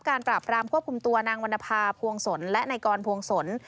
ปราบรามควบคุมตัวนางวรรณภาพวงศลและนายกรพวงศล